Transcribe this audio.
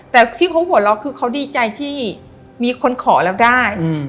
แต่ที่เขาหัวเราะคือเขาดีใจที่มีคนขอแล้วได้